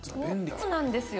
そうなんですよ